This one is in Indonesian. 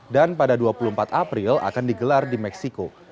dan pada dua puluh empat april akan digelar di meksiko